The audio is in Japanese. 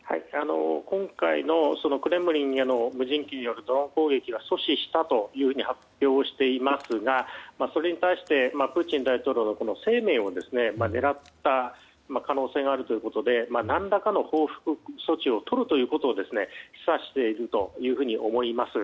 今回のクレムリンへの無人機によるドローン攻撃は阻止したと発表していますがそれに対してプーチン大統領の生命を狙った可能性があるということで何らかの報復措置をとるということを示唆していると思います。